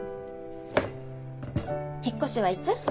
引っ越しはいつ？